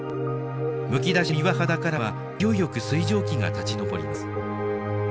むき出しの岩肌からは勢いよく水蒸気が立ちのぼります。